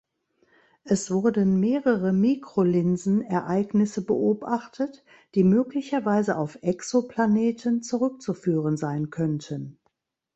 Es wurden mehrere Mikrolinsen-Ereignisse beobachtet, die möglicherweise auf Exoplaneten zurückzuführen sein könnten.